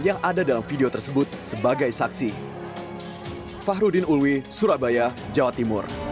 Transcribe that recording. yang ada dalam video tersebut sebagai saksi